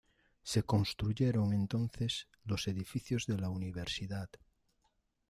Se construyeron entonces los edificios de la Universidad.